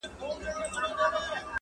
چي هر څه مي وي آرزو ناز مي چلیږي -